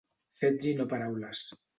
Fets i no paraules.